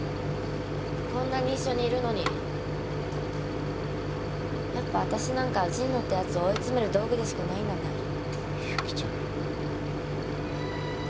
こんなに一緒にいるのにやっぱわたしなんか神野ってやつを追い詰める道具でしかないんだね。